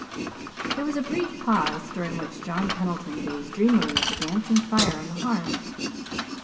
There was a brief pause, during which John Pendleton gazed dreamily at the dancing fire on the hearth.